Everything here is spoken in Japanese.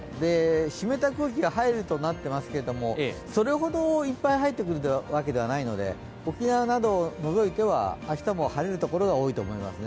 湿った空気が入るとなっていますがそれほどいっぱい入ってくるわけではないので沖縄などを除いては明日も晴れるところが多いと思います。